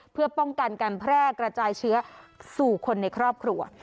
เพื่อป้องกันการแพร่กระจายเชื้อสู่คนในครอบครัว